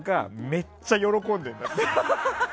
めっちゃ喜んでんだって。